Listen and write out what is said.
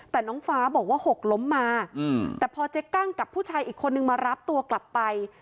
แต่น้องฟ้าบอกว่าหกล้มมาแต่พอเจ๊กั้งกับผู้ชายอีกคนนึงมารับตัวกลับไป